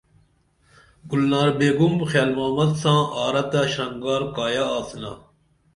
گُناربیگُم خیال محمد ساں آرہ تہ شرنگگار کایہ آڅِنا